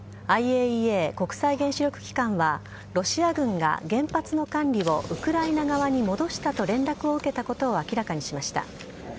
ＩＡＥＡ＝国際原子力機関はロシア軍が原発の管理をウクライナ側に戻したと連絡を受けたことを明らかにしました。